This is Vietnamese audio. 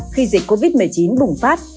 khi dịch covid một mươi chín bùng phát